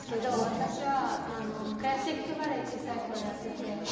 私はクラシックバレエ小さい頃やってて。